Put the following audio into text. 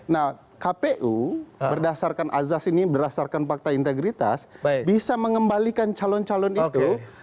nah kpu berdasarkan azas ini berdasarkan fakta integritas bisa mengembalikan calon calon itu